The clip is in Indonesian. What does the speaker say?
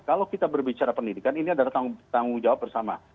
kalau kita berbicara pendidikan ini adalah tanggung jawab bersama